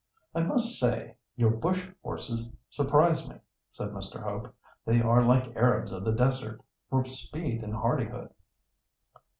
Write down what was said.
"I must say your bush horses surprise me," said Mr. Hope. "They are like Arabs of the desert for speed and hardihood."